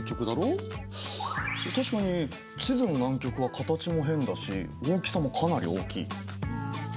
確かに地図の南極は形も変だし大きさもかなり大きい。